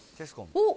おっ。